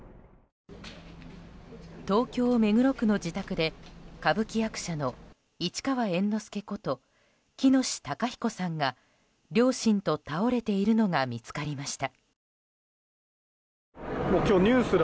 東京・目黒区の自宅で歌舞伎役者の市川猿之助こと喜熨斗孝彦さんが、両親と倒れているのが見つかりました。